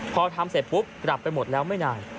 พอทำเสร็จปุ๊บกลับไปหมดแล้วไม่นาน